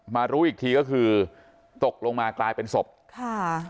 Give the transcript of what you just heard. รู้อีกทีก็คือตกลงมากลายเป็นศพค่ะ